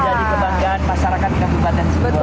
ini kebanggaan masyarakat kabupaten situ bondo